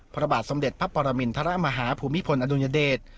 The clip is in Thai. พระบาทสมเด็จพระปรมินทรมาฮาภูมิพลอดุญเดช